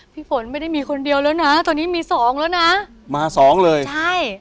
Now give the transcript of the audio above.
พี่ฝนไม่ได้มีคนเดียวแล้วนะตอนนี้มีสองแล้วนะมาสองเลยใช่